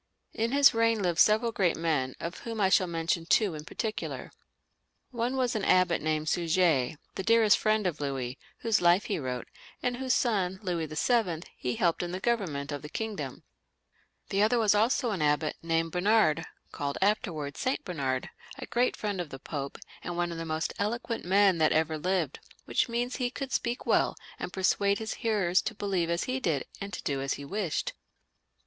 '* In his reign lived several great men, of whom I shall mention two in particular. One was an abbot named Suger, the dearest friend of Louis, whose life he wrote, and whose son, Louis VlL, he helped in the government of the kingdom. The other was xivj LOUIS VL 81 also an abbot, named Bernard, called afterwards St. Ber nard, a great friend of the Pope, and one of the most eloquent men that ever lived, which means that he could speak well and persuade his hearers to believe as he did and to do as he wished.